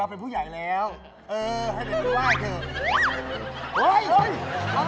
โอ้โหมีมือแตกขนาดนั้น